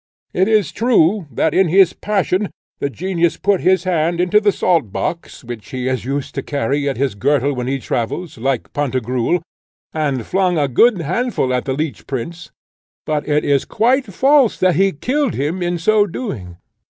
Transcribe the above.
It is true that, in his passion, the genius put his hand into the saltbox, which he is used to carry at his girdle when he travels, like Pantagruel, and flung a good handful at the Leech Prince; but it is quite false that he killed him in so doing.